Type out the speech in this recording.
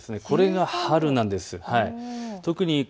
これが春なんです。